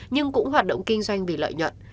nhưng cũng hoạt động kinh doanh vì lợi nhận